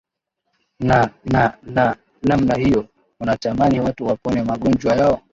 na na na namna hiyo unatamani watu wapone magonjwa yao